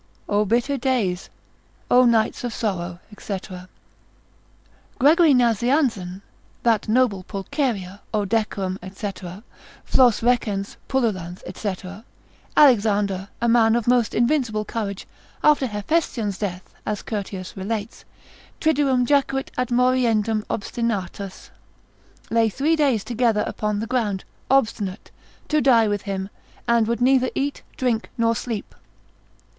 O bitter days, O nights of sorrow, &c. Gregory Nazianzen, that noble Pulcheria! O decorem, &c. flos recens, pullulans, &c. Alexander, a man of most invincible courage, after Hephestion's death, as Curtius relates, triduum jacuit ad moriendum obstinatus, lay three days together upon the ground, obstinate, to die with him, and would neither eat, drink, nor sleep.